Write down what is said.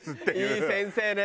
いい先生ねえ。